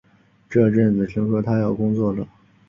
这阵子听说他要工作了